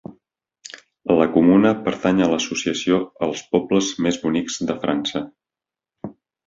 La comuna pertany a l'associació Els pobles més bonics de França.